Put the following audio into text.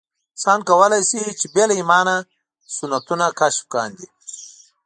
انسان کولای شي چې بې له ایمانه سنتونه کشف کاندي.